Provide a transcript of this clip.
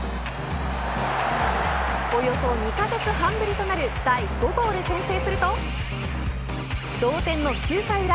およそ２カ月半ぶりとなる第５号で先制すると同点の９回裏。